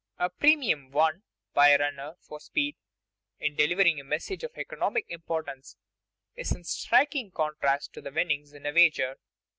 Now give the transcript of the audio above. A premium won by a runner for speed in delivering a message of economic importance is in striking contrast to the winnings in a wager.